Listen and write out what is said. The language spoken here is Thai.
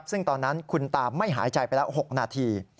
ซึ่งตอนนั้นคุณตาไม่หายใจไปแล้ว๖นาที